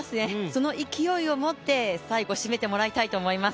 その勢いをもって最後締めてもらいたいと思います。